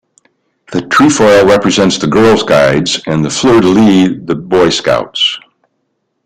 The trefoil represents the Girl Guides and the fleur-de-lis the Boy Scouts.